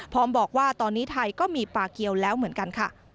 พร้อมบอกว่าตอนนี้ไทยก็มีปลาเกียวแล้วเหมือนกัน